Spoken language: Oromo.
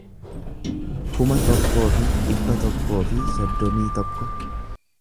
kuma tokkoo fi dhibba tokkoo fi soddomii tokko